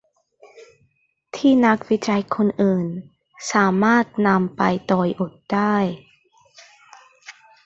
ที่นักวิจัยคนอื่นสามารถนำไปต่อยอดได้